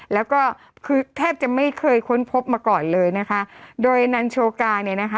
แล้วก็คือแทบจะไม่เคยค้นพบมาก่อนเลยนะคะโดยนันโชกาเนี่ยนะคะ